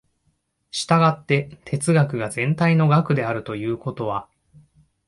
従って哲学が全体の学であるということは、